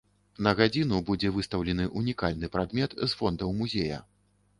На гадзіну будзе выстаўлены ўнікальны прадмет з фондаў музея.